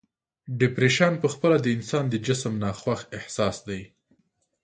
ډپریشن په خپله د انسان د جسم ناخوښ احساس دی.